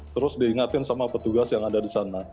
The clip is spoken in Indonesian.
terus diingatin sama petugas yang ada di sana